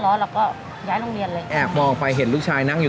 เราก็แบบนี่เราจะปลอบลูกยังไง